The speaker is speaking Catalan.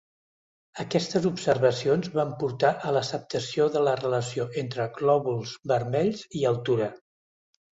Aquestes observacions van portar a l'acceptació de la relació entre glòbuls vermells i altura.